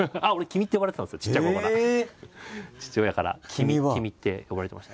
父親から「君」って呼ばれてました。